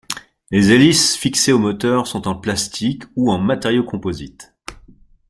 Les hélices fixées aux moteurs sont en plastique ou matériaux composites.